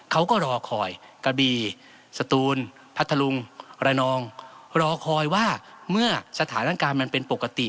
เขาก็รอคอยกระบีสตูนพัทธลุงระนองรอคอยว่าเมื่อสถานการณ์มันเป็นปกติ